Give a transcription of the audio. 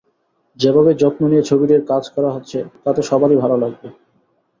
যেভাবে যত্ন নিয়ে ছবিটির কাজ করা হচ্ছে তাতে সবারই ভালো লাগবে।